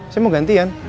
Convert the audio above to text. saya mau gantian